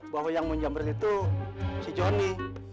bahwa yang menjamberin itu si joni